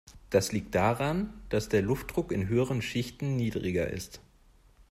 Das liegt daran, dass der Luftdruck in höheren Schichten niedriger ist.